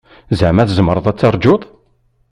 Zeɛma tzemreḍ ad taṛǧuḍ?